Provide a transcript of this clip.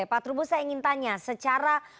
pak trubus saya ingin tanya secara